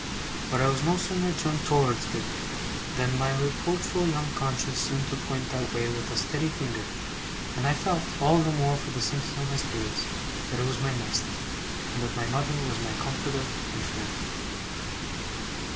But I was no sooner turned towards it, than my reproachful young conscience seemed to point that way with a ready finger; and I felt, all the more for the sinking of my spirits, that it was my nest, and that my mother was my comforter and friend.